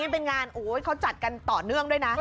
มันจัดกันต่อเนื่องด้วยนะ